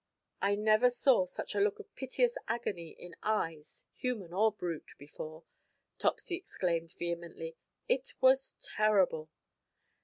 "I never saw such a look of piteous agony in eyes, human or brute, before," Topsy exclaimed vehemently. "It was terrible!"